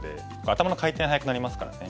頭の回転速くなりますからね。